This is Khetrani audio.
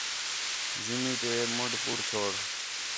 زمین تے مند پُور چھوڑ